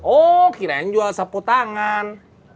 oh kirain jual sapu tangan